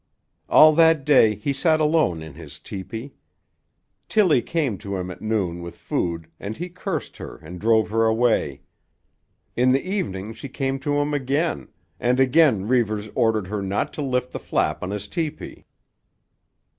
All that day he sat alone in his tepee. Tillie came to him at noon with food and he cursed her and drove her away. In the evening she came to him again, and again Reivers ordered her not to lift the flap on his tepee.